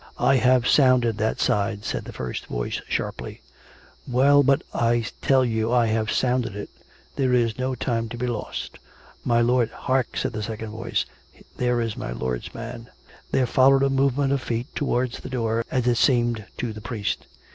" I have sounded that side," said the first voice sharply. " Well, but "" I tell you I have sounded it. There is no time to be lost. My lord "" Hark I " said the second voice. " There is my lord's man " There followed a movement of feet towards the door, as it seemed to the priest.